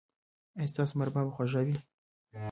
ایا ستاسو مربا به خوږه وي؟